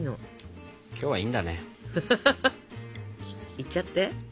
いっちゃって。